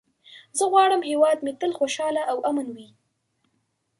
زه غواړم هېواد مې تل خوشحال او امن وي.